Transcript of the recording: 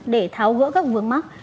để tháo gỡ các vướng mắc